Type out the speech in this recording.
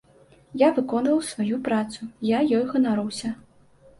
Я выконваў сваю працу, я ёй ганаруся.